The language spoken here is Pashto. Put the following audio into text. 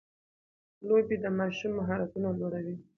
لوبې د ماشوم مهارتونه لوړوي.